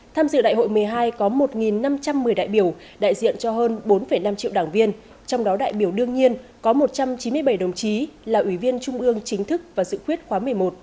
tham dự đại hội một mươi hai có một năm trăm một mươi đại biểu đại diện cho hơn bốn năm triệu đảng viên trong đó đại biểu đương nhiên có một trăm chín mươi bảy đồng chí là ủy viên trung ương chính thức và dự khuyết khóa một mươi một